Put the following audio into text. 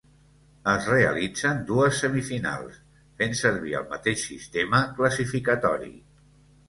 Es realitzen dues semifinals, fent servir el mateix sistema classificatori.